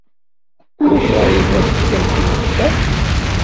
Ulac aɣilif ma tefkamt-iyi-d ta?